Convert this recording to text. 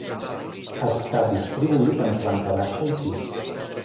Està distribuït en planta baixa i pis.